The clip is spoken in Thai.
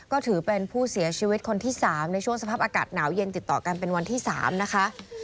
ก็ถือเป็นผู้เสียชีวิตคนที่๓ในช่วงสภาพอากาศหนาวเย็นติดต่อกันเป็นวันที่๓นะคะ